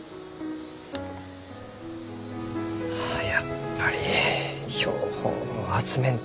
あやっぱり標本を集めんとのう。